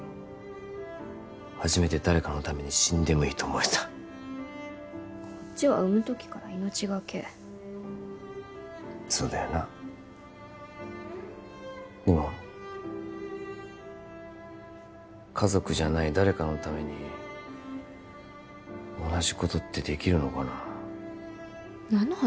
初めて誰かのために死んでもいいと思えたこっちは産む時から命がけそうだよなでも家族じゃない誰かのために同じことってできるのかな何の話？